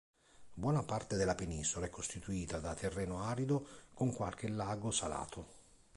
Buona parte della penisola è costituita da terreno arido con qualche lago salato.